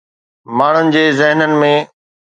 ماڻهن جي ذهنن ۾.